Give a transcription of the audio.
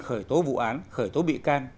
khởi tố vụ án khởi tố bị can